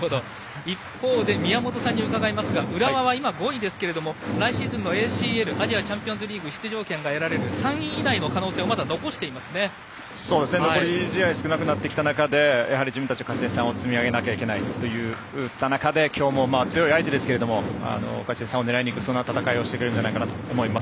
一方で宮本さんに伺いますが浦和は今５位ですけれども来シーズンのＡＣＬアジアチャンピオンズリーグ出場権が得られる３位以内の残り試合少なくなってきた中で自分たちで勝ち点３を積み上げなければいけないといった中できょうも強い相手ですけれども勝ち点３を狙いにいく戦いをしてくれるんじゃないかまとめます。